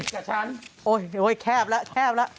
แคบและแคบละ